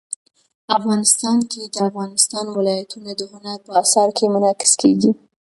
افغانستان کې د افغانستان ولايتونه د هنر په اثار کې منعکس کېږي.